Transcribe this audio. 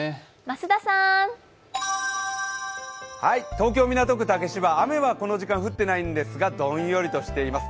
東京・港区竹芝、雨はこの時間降ってないんですがどんよりとしています。